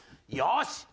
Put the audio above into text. よし！